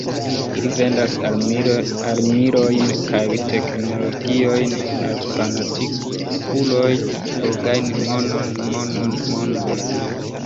Ili vendas armilojn kaj teknologiojn, al la fanatikuloj, por gajni monon, monon, monon.